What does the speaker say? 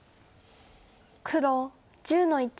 黒１０の一。